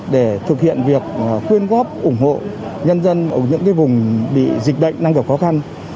để thực hiện việc quyên góp ủng hộ nhân dân ở những vùng bị dịch bệnh đang gặp khó khăn